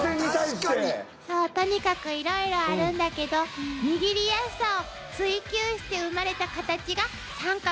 とにかくいろいろあるんだけど握りやすさを追求して生まれたカタチが三角。